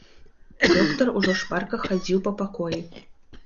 Доктар ужо шпарка хадзіў па пакоі.